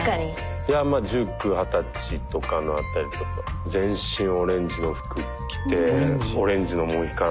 いやまあ１９二十歳とかのあたりとか全身オレンジの服着てオレンジのモヒカン。